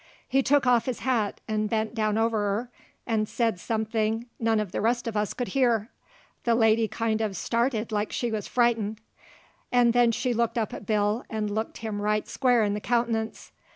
He took off his hat 'nd bent down over her 'nd said somethin' none uv the rest uv us could hear. The lady kind uv started like she wuz frightened, 'nd then she looked up at Bill 'nd looked him right square in the countenance.